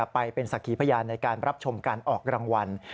ไปเป็นสักขีพยานในการรับชมการออกรางวัล